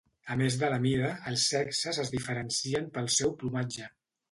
A més de la mida, els sexes es diferencien pel seu plomatge.